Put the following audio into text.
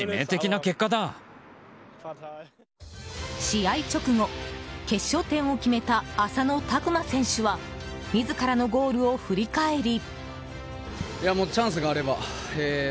試合直後、決勝点を決めた浅野拓磨選手は自らのゴールを振り返り。